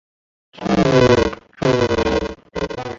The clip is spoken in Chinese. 终于忍不住了